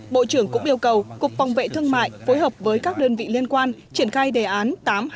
bộ trưởng cũng yêu cầu cục phòng vệ thương mại phối hợp với các đơn vị liên quan triển khai đề án tám trăm hai mươi